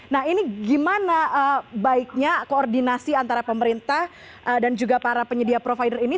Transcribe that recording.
nah ini gimana baiknya koordinasi antara pemerintah dan juga para penyedia provider ini